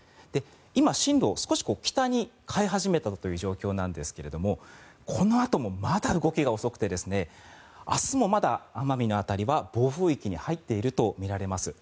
今、進路を少し北に変え始めたという状況なんですがこのあともまだ動きが遅くて明日もまだ奄美の辺りは暴風域に入っているとみられます。